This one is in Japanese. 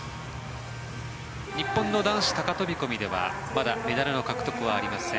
日本の男子高飛込ではまだメダルの獲得はありません。